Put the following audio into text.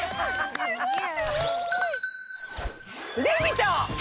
すごい！